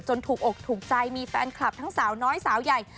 ถูกอกถูกใจมีแฟนคลับทั้งสาวน้อยสาวใหญ่